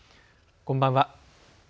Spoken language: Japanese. こんばんは。